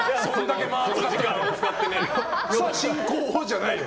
さあじゃないよ。